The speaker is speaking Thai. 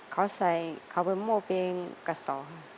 เขาใส่เข้าไปมอเป็นกระสอบ